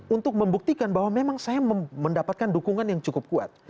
untuk membuktikan bahwa memang saya mendapatkan dukungan yang cukup kuat